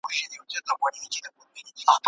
¬ ورېنداري خواره دي غواړم نو نه چي د لالا د غمه.